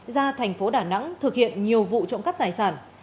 ra thành phố đà nẵng thực hiện nhiều vụ trộm cắp tài sản